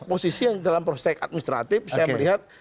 posisi yang dalam proses administratif saya melihat